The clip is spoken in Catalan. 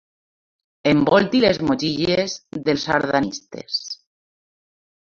Envolti les motxilles dels sardanistes.